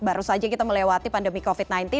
baru saja kita melewati pandemi covid sembilan belas